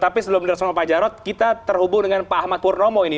tapi sebelum dilaksanakan pak jarod kita terhubung dengan pak ahmad purnomo ini